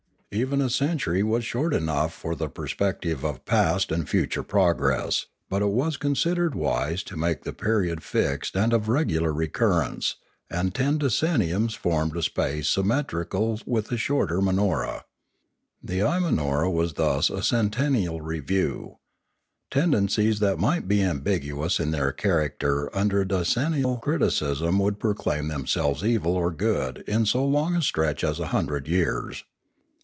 Even a century was short enough for the perspective of past and future progress; but it was considered wise to make the period fixed and of regular recurrence, and ten decenniums formed a space symmetrical with the shorter Manora. The Imanora was thus a centennial review. Tenden cies that might be ambiguous in their character under a decennial criticism would proclaim themselves evil or good in so long a stretch as a hundred years.